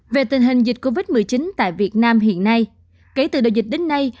về tình hình dịch covid một mươi chín tại việt nam hiện nay kể từ đầu dịch đến nay